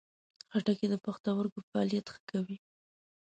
خټکی د پښتورګو فعالیت ښه کوي.